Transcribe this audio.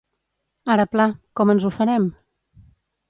Ara pla! Com ens ho farem?